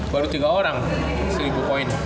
baru tiga orang seribu koin